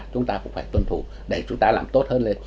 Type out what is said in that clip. chúng ta cũng phải tuân thủ để chúng ta làm tốt hơn lên